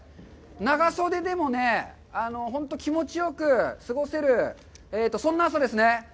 長袖でもね、本当気持ちよく、過ごせる、そんな朝ですね。